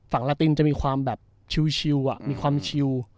ฝั่งลาตินจะมีความแบบชิวอ่ะมีความชิว